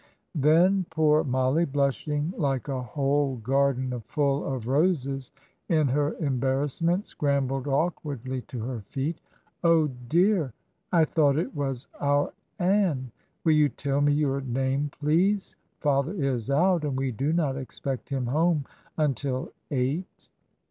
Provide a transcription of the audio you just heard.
Then poor Mollie, blushing like a whole garden full of roses in her embarrassment, scrambled awkwardly to her feet. "Oh, dear! I thought it was our Ann. Will you tell me your name, please? Father is out, and we do not expect him home until eight."